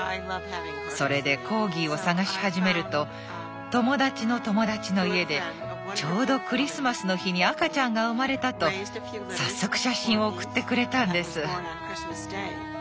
それでコーギーを探し始めると友達の友達の家でちょうどクリスマスの日に赤ちゃんが生まれたと早速写真を送ってくれたんです。